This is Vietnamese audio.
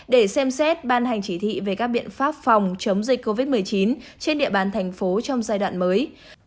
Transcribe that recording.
để xem xét ban hành chỉ thị về các biện pháp phòng chống dịch covid một mươi chín trên địa bàn thành phố trong giai đoạn mới